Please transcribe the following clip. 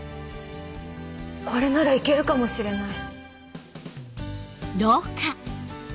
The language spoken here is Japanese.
これならいけるかもしれない。